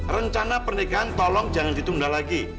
rencana pernikahan tolong jangan ditunda lagi